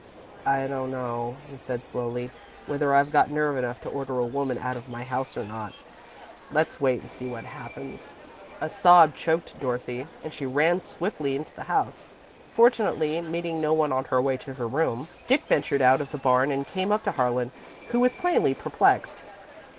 "I don't know," he said, slowly, "whether I've got nerve enough to order a woman out of my house or not. Let's wait and see what happens." A sob choked Dorothy, and she ran swiftly into the house, fortunately meeting no one on her way to her room. Dick ventured out of the barn and came up to Harlan, who was plainly perplexed.